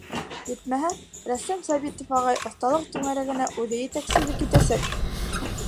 Етмәһә, рәссам Сабитов ағай оҫталыҡ түңәрәгенә үҙе етәкселек итәсәк.